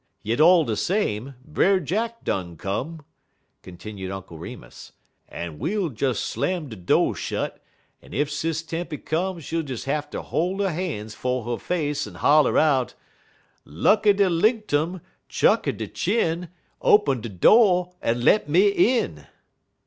"Yit all de same, Brer Jack done come," continued Uncle Remus, "en we ull des slam de do' shet, en ef Sis Tempy come she'll des hatter hol' 'er han's 'fo' 'er face en holler out: "'_Lucky de Linktum, chucky de chin, Open de do' en let me in!